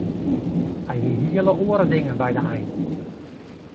Hy hie hele oare dingen by de ein.